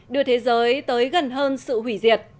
đưa thế giới tới gần hơn sự hủy diệt